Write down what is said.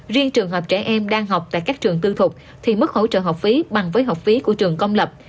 riêng trường hợp trẻ em đang học tại các trường tư thục thì mức hỗ trợ học phí bằng với học phí của trường công lập